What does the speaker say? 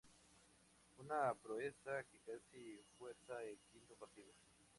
Una proeza que casi fuerza el quinto partido.